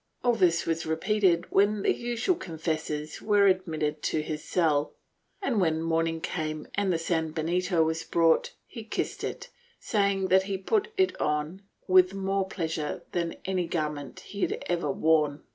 All this was repeated when the usual confessors were admitted to his cell and, when morning came and the sanbenito was brought, he kissed it, saying that he put it on with more pleasure than any garment he had ever worn.